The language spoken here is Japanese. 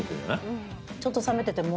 ちょっと冷めてても。